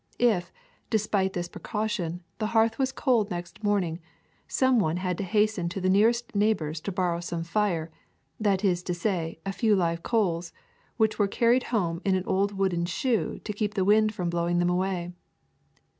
If, despite this precaution, the hearth was cold next morning, some one had to hasten to the nearest neighbor's to borrow some fire, that is to say a few live coals, which were carried home in an old wooden shoe to keep the wind from blowing them away.